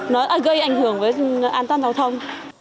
nó gây ảnh hưởng với an toàn giao thông